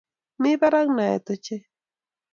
Mi barak naet ochei